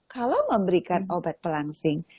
kalau memberikan obat pelangsing